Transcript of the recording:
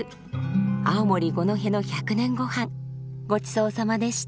青森・五戸の１００年ゴハンごちそうさまでした。